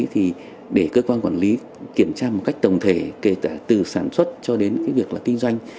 thì để cơ quan quản lý kiểm tra một cách tổng thể kể cả từ sản xuất cho đến cái việc là kinh doanh